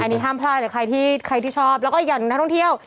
อันนี้ห้ามพลาดแต่ใครที่ชอบแล้วก็อย่างนักท่องเที่ยว